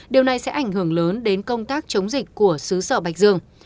điều này sẽ ảnh hưởng lớn đến công tác chống dịch của xứ sở bạch dương